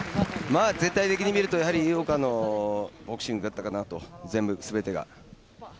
全体的に見ると井岡のボクシングだったかなと、全部、全てが。